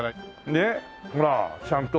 ねっほらちゃんと。